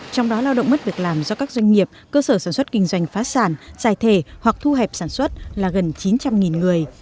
trong đó lao động mất việc làm do các doanh nghiệp cơ sở sản xuất kinh doanh phá sản giải thể hoặc thu hẹp sản xuất là gần chín trăm linh người